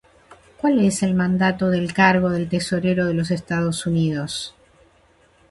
¿Cuál es el mandato del cargo del Tesorero de los Estados Unidos?